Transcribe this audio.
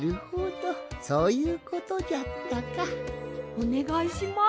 おねがいします。